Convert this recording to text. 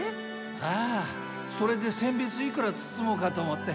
ああそれでせん別いくらつつもうかと思って。